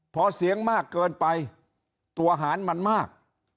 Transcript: พอเสียงมากเกินไปตัวหารมันมาก